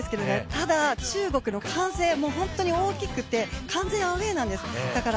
ただ中国の歓声が本当に大きくて完全アウェーなんです。